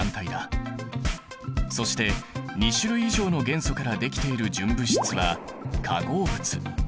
そして２種類以上の元素からできている純物質は化合物。